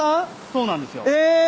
そうなんですよ。へ。